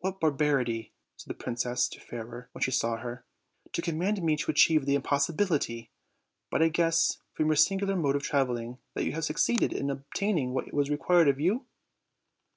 "What barbarity," said the "princess to Fairer when she saw her, "to command me to achieve an impossibility! But I guess, from your singular mode of traveling, that you have succeeded in obtaining what was required of you."